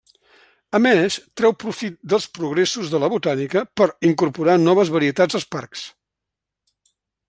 A més treu profit dels progressos de la botànica per incorporar noves varietats als parcs.